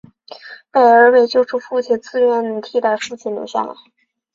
贝儿为救出父亲自愿代替父亲留下。